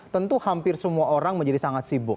tentu hampir semua orang menjadi sangat sibuk